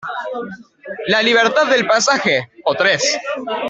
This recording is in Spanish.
la libertad del pasaje. o tres: